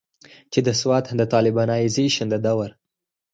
چې د سوات د طالبانائزيشن د دور